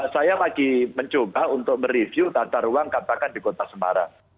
saya lagi mencoba untuk mereview tata ruang katakan di kota semarang